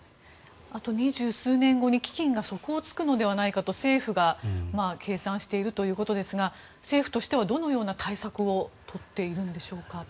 あと二十数年後に基金が底をつくのではないかと政府が計算しているということですが政府としてはどのような対策をとっているんでしょうか。